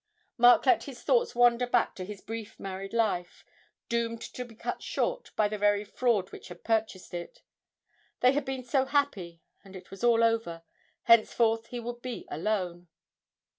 Mark let his thoughts wander back to his brief married life, doomed to be cut short by the very fraud which had purchased it. They had been so happy, and it was all over henceforth he would be alone.